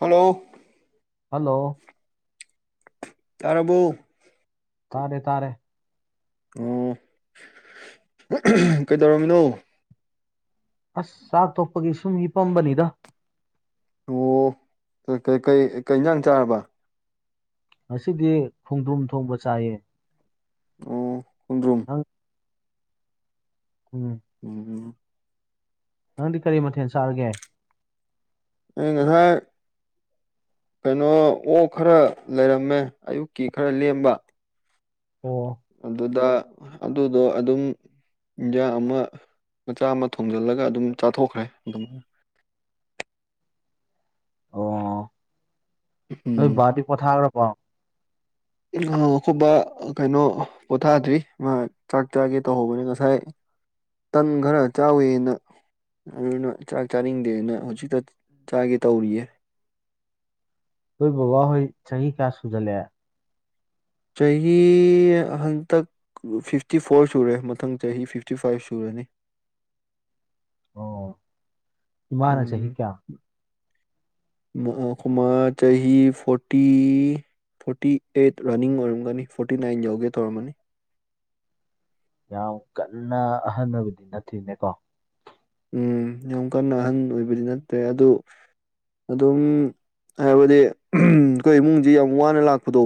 Hello hello ꯇꯥꯔꯕꫭ ꯇꯥꯔꯦ ꯇꯥꯔꯦ ꯑꯣ ꯀꯩꯗꯧꯔꯝꯃꯤꯅꯣ ꯑꯁ ꯆꯥꯛ ꯇꫭꯛꯄꯒꯤ ꯁꯨꯝ ꯍꯤꯄꯝꯕꯅꯤꯗ ꯑꯣ ꯀꯩ-ꯀꯩ ꯀꯩ ꯍ‌ꯦꯟꯁꯥꯡ ꯆꯥꯔꯕ ꯉꯗꯤ ꯈꯣꯡꯗꯝ ꯊꯣꯡꯕ ꯆꯥꯏꯌꯦ ꯑꯣ ꯈꫭꯡꯗ‍꯭ꯔꯨꯝ ꯅꯪ ꯎꯝ ꯎꯝ ꯅꯪꯗꯤ ꯀꯔꯤ ꯃꯊꯦꯜ ꯆꯔꯒꯦ ꯑꯩ ꯉꯁꯥꯏ ꯀꯩꯅꯣ ꯑꯣꯛ ꯈꯔ ꯂꯩꯔꯝꯃꯦ ꯑꯌꯨꯛꯀꯤ ꯈꯔ ꯂꯦꯝꯕ ꯑꯣ ꯑꯗꯨꯗ ꯑꯗꯨꯗꯣ ꯑꯗꯨꯝ ꯏꯟꯖꯥꯡ ꯑꯃ ꯃꯆꯥ ꯑꯃ ꯊꯣꯡꯖꯤꯜꯂꯒ ꯑꯗꯨꯝ ꯆꯥꯊꯣꯛꯈ꯭ꯔꯦ ꯑꯗꯨꯝ ꯑꯣ ꯅꯣꯏ ꯎꯝ ꯕꯥꯗꯤ ꯄꫭꯊꯒꯔꯕꫭ ꯑꯩꯈꫭꯏꯕ ꯀꯩꯅꯣ ꯄꯣꯊꯥꯗ꯭ꯔꯤ ꯃꯥ ꯆꯥꯛ ꯆꯥꯒꯦ ꯇꯧꯍꯧꯕꯅꯤ ꯉꯁꯥꯏ ꯇꯟ ꯈꯔ ꯆꯥꯎꯋꯦꯅ ꯑꯗꯨꯅ ꯆꯥꯛ ꯆꯥꯅꯤꯡꯗꯦꯅ ꯍꯧꯖꯤꯛꯇ ꯆꯥꯒꯦ ꯇꯧꯔꯤꯌꯦ ꯍꯣꯏ ꯕꯕꯥ ꯍꯣꯏ ꯆꯍꯤ ꯀꯌꯥ ꯁꯨꯖꯜꯂꯛ ꯑ‌ꯦ ꯆꯍꯤ ꯍꯟꯇꯛ ꯐꯤꯐꯇꯤ ꯐꯣꯔꯚ ꯁꯨꯔꯦ ꯃꯊꯪ ꯆꯍꯤ ꯐꯤꯐꯇꯤ ꯐꯥꯏꯚ ꯁꯨꯔꯅꯤ ꯑꯣ ꯏꯃꯅ ꯆꯍꯤꯍꯤ ꯀꯌꯥ ꯑꯩꯈꫭꯏꯃꯥ ꯆꯍꯤꯍꯤ ꯐꯣꯔꯇꯤ ꯐꯣꯔꯇꯤ ꯑꯩꯠ ꯔꯟꯅꯤꯡ ꯑꯣꯏꯔꯝꯒꯅꯤ ꯐꯣꯔꯇꯤ ꯅꯥꯏꯟ ꯌꯧꯒꯦ ꯇꯧꯔꯝꯃꯅꯤ ꯌꯥꯝ ꯀꯟꯅ ꯑꯍꯟꯅꯕꯗꯤ ꯅꯠꯇꯦꯅꯦꯀꯣ ꯎꯝ ꯌꯥꯝꯨ ꯀꯟꯅ ꯑꯍꯟ ꯑꯣꯏꯕꯗꯤ ꯅꯠꯇ꯭ꯔꯦ ꯑꯗꯨ ꯑꯗꯨꯝ ꯍꯥꯏꯕꯗꯤ ꯑꯩꯈꯣꯏ ꯏꯃꯨꯡꯁꯤ ꯌꯥꯝ ꯋꯥꯅ ꯂꯥꯛꯄꯗꯣ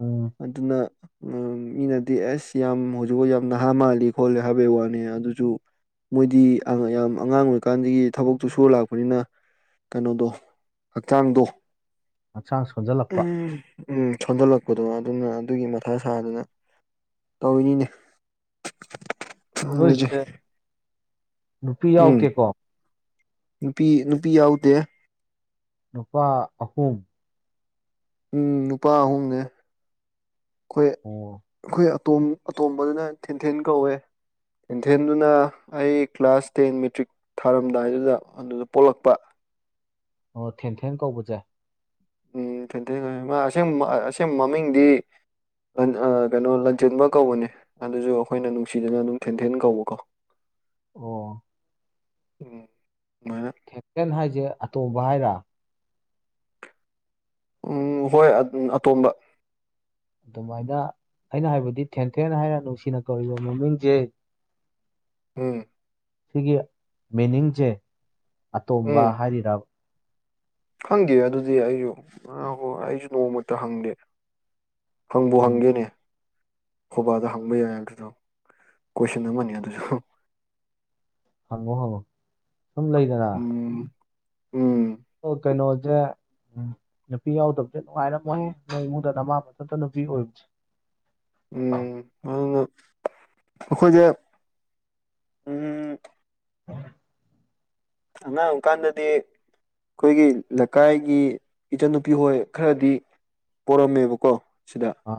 ꯎ ꯑꯇꯅ ꯎꯝ ꯃꯤꯅꯗꯤ ꯑꯁ ꯌꯥꯝ ꯍꯧꯖꯤꯛꯐꯥꯎ ꯌꯥꯝ ꯅꯍꯥ ꯃꯥꯜꯂꯤ ꯈꯣꯂꯤ ꯍꯥꯏꯕꯩ ꯋꯥꯅꯤ ꯑꯗꯨꯁꯨ ꯃꯣꯏꯗꯤ ꯌꯥꯝ ꯑꯉꯥꯡ ꯑꯣꯏꯔꯤꯀꯥꯟꯗꯒꯤ ꯊꯕꯛꯇꯨ ꯁꯨꯔ ꯂꯥꯛꯄꯅꯤꯅ ꯀꯩꯅꯣꯗꯣ ꯍꯛꯆꯥꯡꯗꯣ ꯍꯛꯆꯥꯡ ꯁꯣꯟꯖꯜꯂꯛꯄ ꯎꯝ ꯎꯝ ꯊꯟꯗꯂꯛ ꯑꯗꯨꯅ ꯑꯗꯨꯒꯤ ꯃꯊꯥ ꯁꯥꯗꯨꯅ ꯇꯧꯔꯤꯅꯤꯅꯦ ꯎꯖ ꯅꯣꯏꯁꯦ ꯅꯨꯄꯤ ꯌꯥꯎꯀꯦꯀꯣ ꯅꯨꯄꯤ ꯅꯨꯄꯤ ꯌꯥꯎꯗꯦ ꯅꯨꯄꯥ ꯑꯍꯨꯝ ꯎꯝ ꯅꯨꯄꯥ ꯑꯍꯨꯝꯅꯦ ꯑꯩꯈꯣꯏ ꯑꯣ ꯑꯩꯈꯣꯏ ꯇꯝ ꯑꯇꯣꯝꯕꯗꯨꯅ ꯊꯤꯟꯊꯤꯟ ꯀꯧꯋꯦ ꯏꯦꯟꯊꯦꯟꯗꯨꯅ ꯑꯩ ꯀ꯭ꯂꯥꯁ ꯇꯦꯟ ꯃꯦꯇ꯭ꯔꯤꯛ ꯊꯥꯔꯝꯗꯥꯏꯗꯨꯗ ꯑꯗꯨꯗ ꯄꯣꯛꯂꯛꯄ ꯑꯣ ꯊꯦꯟꯊꯦꯟ ꯀꯧꯕꯁꯦ ꯎꯝ ꯈꯩꯇ ꯃꯥ ꯑꯁ ꯑꯁꯦꯡ ꯃꯃꯤꯡꯗꯤ ꯀꯩꯅꯣ ꯂꯟꯖꯦꯟꯕ ꯀꯧꯕꯅꯦ ꯑꯗꯨꯁꯨ ꯑꯩꯈꯣꯏꯅ ꯅꯨꯡꯁꯤꯗꯅ ꯑꯗꯨꯝ ꯊꯦꯟꯊꯦꯟ ꯀꯧꯕꯀꯣ [inaudible] ꯑꯣ ꯎꯝ ꯃꯥ ꯊꯦꯆꯦꯟ ꯍꯥꯏꯁꯦ ꯑꯇꯣꯧꯕ ꯍꯥꯏꯔ ꯎꯝ ꯍꯣꯏ ꯑꯇꯣꯝꯕ ꯑꯗꯨꯃꯥꯏꯅ ꯑꯩꯅ ꯍꯥꯏꯕꯗꯤ ꯊꯦꯡꯊꯦꯡꯅ ꯍꯥꯏꯔ ꯅꯨꯡꯁꯤꯅ ꯀꯧꯔꯤꯕ ꯃꯃꯤꯡꯁꯦ ꯎꯝ꯫ ꯁꯤꯒꯤ ꯃꯤꯅꯤꯡꯁꯦ ꯑꯇꯣꯝꯕ ꯎꯝ ꯍꯥꯏꯔꯤꯔꯥ꯫ ꯈꯪꯗꯦ ꯑꯗꯨꯗꯤ ꯑꯩꯁꯨ ꯍꯣꯏ ꯑꯩꯁꯨ ꯅꯣꯡꯃꯛꯇ ꯍꯪꯗꯦ꯫ ꯍꯪꯕꯨ ꯎꯝ ꯍꯪꯒꯦꯅꯦ꯫ ꯍꯣꯕꯥꯗ ꯍꯪꯕ ꯌꯥꯏ ꯑꯗꯨꯗꯣ ꯀꯣꯏꯁꯟ ꯑꯃꯅꯤ ꯑꯗꯨꯁꯨ꯫ ꯍꯪꯉꯣ ꯍꯉꯣ ꯁꯨꯝ ꯂꯩꯗꯅ꯫ ꯎꯝ ꯎꯝ꯫ ꯗꫭ ꯀꯩꯅꫭꯖꯦ ꯎꯝ ꯅꯨꯄꯤ ꯌꯥꯎꯗꯕꯁꯦ ꯅꯨꯡꯉꯥꯏꯔꯝꯃꯣꯏꯍꯦ ꯅꯣꯏ ꯏꯃꯨꯡꯗ ꯅꯃꯥ ꯃꯊꯟꯇ ꯅꯨꯄꯤ ꯑꯣꯏꯕꯁꯦ꯫ ꯎꯝ ꯑꯗꯨꯅ ꯑꯩꯈꯣꯏꯁꯦ ꯎꯝ [unintelligible] ꯑꯉꯥꯡ ꯑꯣꯏꯀꯥꯟꯗꯗꯤ ꯑꯩꯈꯣꯏꯒꯤ ꯂꯩꯀꯥꯏꯒꯤ ꯏꯆꯟꯅꯨꯄꯤ ꯍꯣꯏ ꯈꯔꯗꯤ ꯄꯣꯔꯝꯃꯦꯕꯀꯣ ꯁꯤꯗ꯫ ꯑ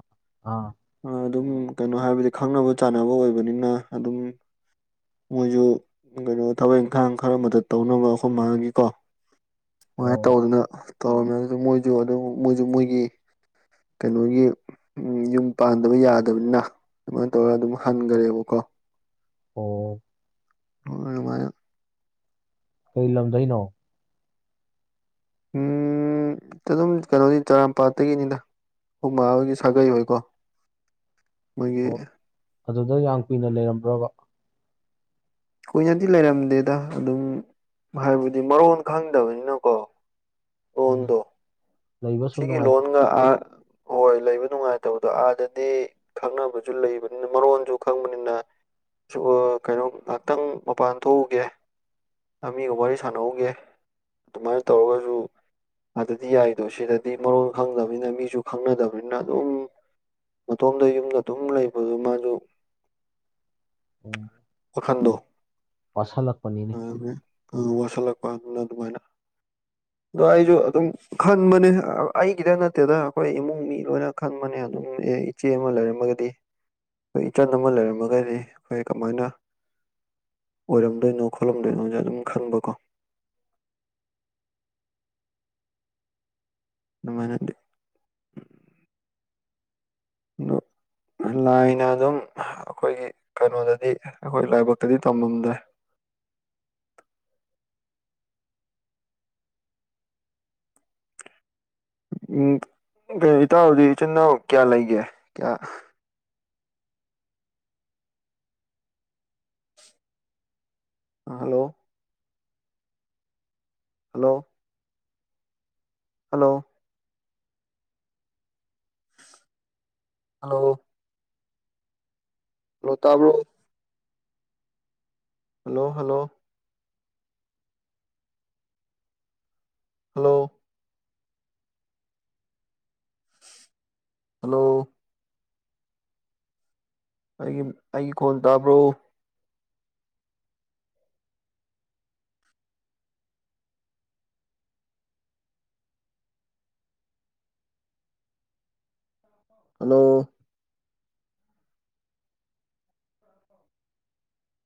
ꯑꯥ꯫ ꯑ ꯑꯗꯨꯝ ꯀꯩꯅꯣ ꯍꯥꯏꯕꯗꯤ ꯈꯪꯅꯕ ꯆꯥꯟꯅꯕ ꯑꯣꯏꯕꯅꯤꯅ ꯑꯗꯨꯝ ꯃꯣꯏꯁꯨ ꯀꯩꯅꯣ ꯊꯕꯛ ꯏꯪꯈꯥꯡ ꯈꯔ ꯑꯃꯗ ꯇꯧꯅꯕ ꯑꯈꫭꯃꯥꯒꯤꯀꯣ꯫ ꯁꯨꯃꯥꯏꯅ ꯑꯣ ꯇꯧꯗꯅ ꯇꯧꯔꯝꯃꯦꯁꯨ ꯃꯣꯏꯁꯨ ꯑꯗꯨ ꯃꯣꯏꯁꯨ ꯃꯣꯏꯒꯤ ꯀꯩꯅꯣꯒꯤ ꯎꯝ ꯌꯨꯝ ꯄꯥꯟꯗꯕ ꯌꯥꯗꯕꯅꯤꯅ ꯑꯗꯨꯃꯥꯏꯅ ꯇꯧꯔꯒ ꯑꯗꯨꯝ ꯍꯟꯒꯔꯦꯕꯀꯣ꯫ ꯑꯣ꯫ ꯍꫭꯏ ꯑꯗꯨꯃꯥꯏꯅ꯫ ꯀꯩ ꯂꯝꯗꯩꯅꫭ꯫ ꯎꯝ꯫ ꯑꯗꯨꯝ ꯀꯩꯅꯣꯗꯤ ꯇꯔꯥꯝꯄꯥꯠꯇꯒꯤꯅꯤꯗ ꯍꯨꯃꯥ ꯍꯣꯏꯒꯤ ꯁꯥꯒꯩ ꯍꯣꯏꯀꯣ꯫ ꯑꯣ ꯃꫭꯏꯒꯤ ꯑꯗꯨꯗ ꯌꯥꯝ ꯀꯨꯏꯅ ꯂꯩꯔꯝꯕ꯭ꯔꯕ꯫ ꯀꯨꯏꯅꯗꯤ ꯂꯩꯔꯝꯗꯦꯗ ꯑꯗꯨꯝ ꯍꯥꯏꯕꯗꯤ ꯃꯔꯣꯟ ꯈꯪꯗꯕꯅꯤꯅꯀꯣ꯫ ꯎꯝ꯫ ꯂꯣꯟꯗꯣ ꯂꯩꯕ ꯁꯨꯝ ꯁꯤꯒꯤ ꯅꯨꯡꯉꯥꯏꯇ ꯂꯣꯟꯒ ꯑ ꯍꯣꯏ ꯂꯩꯕ ꯅꯨꯡꯉꯥꯏꯇꯕꯗꯣ ꯑꯥꯗꯗꯤ ꯈꯪꯅꯕꯁꯨ ꯂꯩꯕꯅꯤꯅ ꯃꯔꯣꯟꯁꯨ ꯈꯪꯕꯅꯤꯅ꯫ ꯁꯨ ꯑ ꯀꯩꯅꯣ ꯉꯍꯥꯛꯇꯪ ꯃꯄꯥꯟ ꯊꯣꯛꯎꯒꯦ꯫ ꯑꯃꯤꯒ ꯋꯥꯔꯤ ꯁꯥꯟꯅꯎꯒꯦ ꯑꯗꯨꯃꯥꯏꯅ ꯇꯧꯔꯒꯁꯨ ꯑꯗꯨꯗꯤ ꯌꯥꯏꯗꯣ ꯁꯤꯗ ꯗꯩ ꯃꯔꯣꯟ ꯈꯪꯗꯕꯅꯤꯅ ꯃꯤꯁꯨ ꯈꯪꯅꯗꯕꯅꯤꯅ ꯑꯗꯨꯝ ꯃꯇꯣꯝꯗ ꯌꯨꯝꯗ ꯑꯗꯨꯝ ꯂꯩꯕꯗꯨ ꯃꯥꯖꯨ [inaudible] ꯋꯥꯈꯟꯗꯨ ꯋꯥꯁꯜꯂꯛꯄꯅꯤꯅꯦ꯫ ꯋꯥꯁꯜꯂꯛꯄ ꯑꯗꯨꯅ ꯑꯗꯨꯃꯥꯏꯅ ꯑꯗꯣ ꯑꯩꯁꯨ ꯑꯗꯨꯝ ꯈꯟꯕꯅꯦ ꯫ ꯑ ꯑꯩꯒꯤꯗ ꯅꯠꯇꯦꯗ ꯑꯈꯣꯏ ꯏꯃꯨꯡ ꯃꯤ ꯂꯣꯏꯅ ꯈꯟꯕꯅꯦ ꯑꯗꯨꯝ ꯑꯦ ꯏꯆꯦ ꯑꯃ ꯂꯩꯔꯝꯃꯒꯗꯤ ꯑꯈꯣꯏ ꯏꯆꯟ ꯑꯃ ꯂꯩꯔꯝꯃꯒꯗꯤ ꯑꯩꯈꯣꯏ ꯀꯃꯥꯏꯅ ꯑꯣꯏꯔꯝꯗꯣꯏꯅꯣ ꯈꯣꯠꯂꯝꯗꯣꯏꯅꯣꯖꯦ ꯑꯗꯨꯝ ꯈꯟꯕꯀꯣ꯫ ꯗꯨꯃꯥꯏ ꯅꯗꯤ ꯗꫭ ꯂꯥꯏꯅ ꯑꯗꯨꯝ ꯑꯈꯣꯏꯒꯤ ꯀꯩꯅꯣꯗꯗꯤ ꯑꯩꯈꯣꯏ ꯂꯥꯏꯕꯛꯇꯗꯤ ꯇꯝꯃꯗꯥꯏ꯫ ꯎꯝ ꯀꯩꯅꫭ ꯏꯇꯥꯎꯗꯤ ꯏꯆꯤꯟ ꯏꯅꯥꯎ ꯀꯌꯥ ꯂꯩꯒꯦ ꯀꯌꯥ ꯍꯥꯜꯂꯣ꯫ ꯍꯜꯂꯣ꯫ ꯍꯜꯂꯣ꯫ ꯍꯜꯂꯣ꯫ ꯂꯣꯇꯕ꯭ꯔꯣ ꯍꯜꯂꯣ ꯍꯜꯂꯣ ꯍꯜꯂꯣ ꯍꯜꯂꯣ ꯑꯩꯒꯤ ꯑꯩꯒꯤ ꯈꯣꯟ ꯇꯥꯕ꯭ꯔꯣ ꯍꯜꯂꯣ